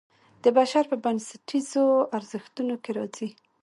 د بشر په بنسټیزو ارزښتونو کې راځي.